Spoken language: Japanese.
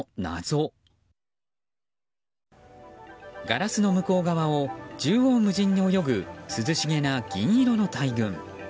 ガラスの向こう側を縦横無尽に泳ぐ涼しげな銀色の大群。